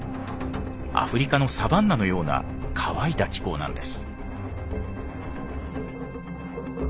アフリカのサバンナのような乾いた気候なんです。